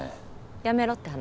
やめろって話？